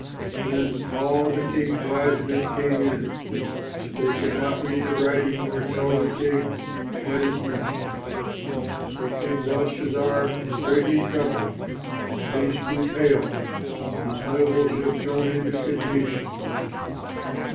Then all the king's wise men came in, but they could not read the writing nor tell the king what it meant. So King Belshazzar was greatly troubled, and his face grew pale, and his nobles were thrown into confusion.